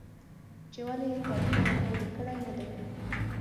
چې ولې یې تعلیم راباندې کړی نه دی.